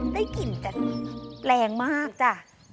ได้กลิ่นแต่แรงมากจ้ะ